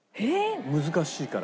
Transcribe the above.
難しいから。